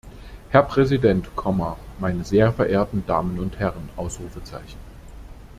Herr Präsident, meine sehr verehrten Damen und Herrn!